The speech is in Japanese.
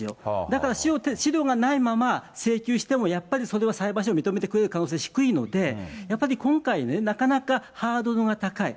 だから資料がないまま、請求してもやっぱり、それは裁判所が認めてくれる可能性が低いので、やっぱり今回、なかなかハードルが高い。